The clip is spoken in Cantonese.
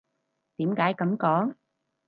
點解噉講？